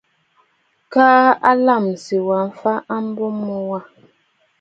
Keʼe lâmsì wa mfa a mbo mu wâ.